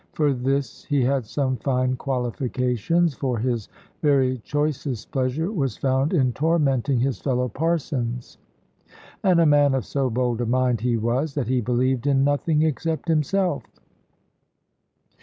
For this he had some fine qualifications, for his very choicest pleasure was found in tormenting his fellow parsons: and a man of so bold a mind he was, that he believed in nothing except himself.